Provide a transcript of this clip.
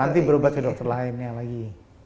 nanti berobat ke dokter lainnya lagi